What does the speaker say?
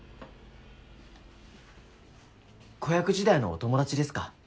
子役時代のお友達ですか。